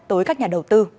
tới các nhà đầu tư